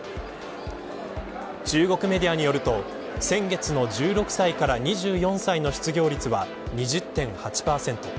中国メディアによると先月の１６歳から２４歳の失業率は２０．８％。